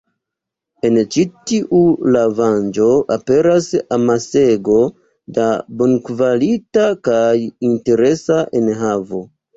En ĉi tiu lavango aperas amasego da bonkvalita kaj interesa enhavo.